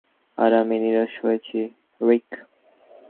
আর আমি নিরাশ হয়েছি, রিক।